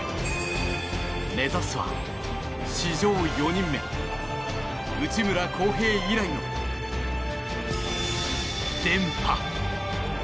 目指すは史上４人目内村航平以来の連覇。